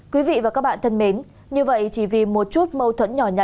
quý vị và các bạn thân mến như vậy chỉ vì một chút mâu thuẫn nhỏ nhặ